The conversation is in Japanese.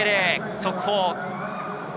速報。